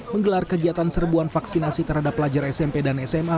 menggelar kegiatan serbuan vaksinasi terhadap pelajar smp dan sma